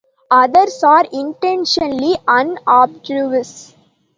Others are intentionally unobtrusive.